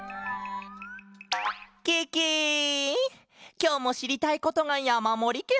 きょうもしりたいことがやまもりケロ！